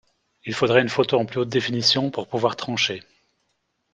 Il faudrait une photo en plus haute définition pour pouvoir trancher.